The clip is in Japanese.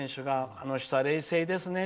あの人、冷静ですね。